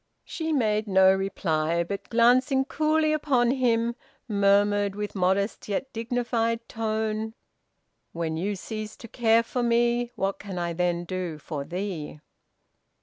She made no reply; but, glancing coolly upon him, murmured with modest, yet dignified, tone "When you cease to care for me, What can I then do for thee?"